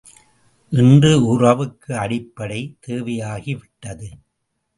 இன்று உறவுக்கு அடிப்படை தேவையாகிவிட்டது.